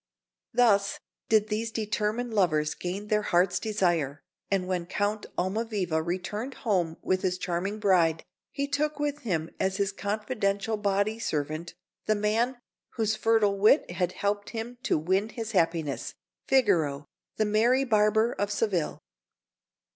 Thus did these determined lovers gain their hearts' desire; and when Count Almaviva returned home with his charming bride, he took with him as his confidential body servant the man whose fertile wit had helped him to win his happiness Figaro, the merry Barber of Seville.